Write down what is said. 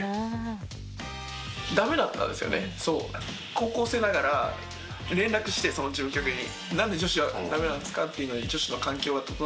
高校生ながら連絡してその事務局に。